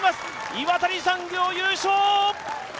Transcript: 岩谷産業、優勝！